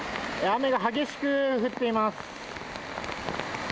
雨が激しく降っています。